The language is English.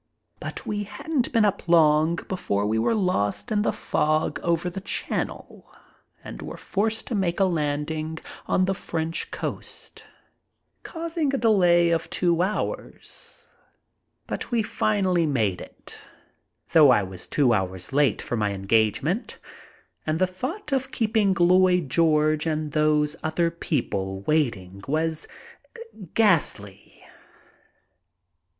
But we hadn't been up long before we were lost in the fog over the Channel and were forced to make a landing on the French coast, causing a delay of two hours. But we finally made it, though I was two hours late for my engage ment, and the thought of keeping Lloyd George and those other people waiting was ghastly.